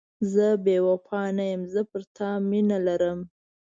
زه بې وفا نه یم، زه پر تا مینه لرم.